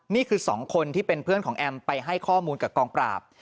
นี่คือ๒คนที่เป็นเพื่อนของแอมไปให้ข้อมูลกับกองปราบ